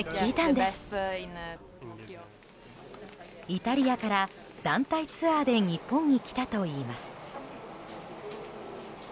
イタリアから団体ツアーで日本に来たといいます。